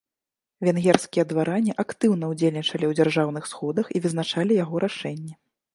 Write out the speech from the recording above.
Венгерскія дваране актыўна ўдзельнічалі ў дзяржаўных сходах і вызначалі яго рашэнні.